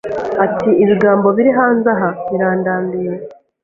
ati ibigambo biri hanze aha birandambiye.